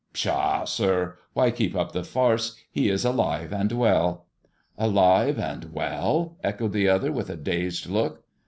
"Pshaw, sir! Why keep up the farce] He is alive and well." " Alive and well !" echoed the other, with a dazed look.